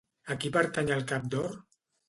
A qui pertany el cap d'or?